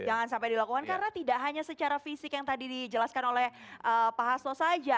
jangan sampai dilakukan karena tidak hanya secara fisik yang tadi dijelaskan oleh pak hasto saja